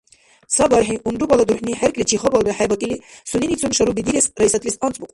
Ца бархӀи, унрубала дурхӀни хӀеркӀличи гьабалра хӀебакӀили, суненицун шаруби дирес Раисатлис анцӀбукьун.